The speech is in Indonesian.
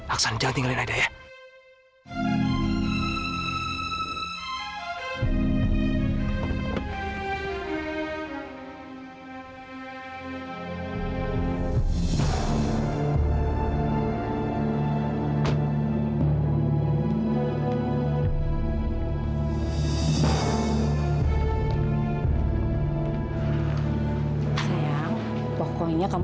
aksan jangan tinggalin aida ya